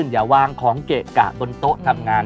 ต้องราบลื่นอย่าวางของเกะกะบนโต๊ะทำงาน